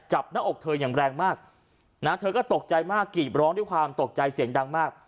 หน้าอกเธออย่างแรงมากนะเธอก็ตกใจมากกีบร้องด้วยความตกใจเสียงดังมาก